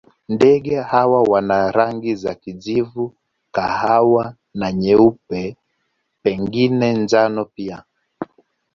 Ndege hawa wana rangi za kijivu, kahawa na nyeupe, pengine njano pia.